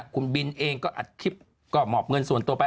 คุณบินเองก็อัดคลิปก็หมอบเงินส่วนตัวไป